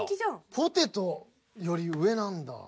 ポテトより上なんだ。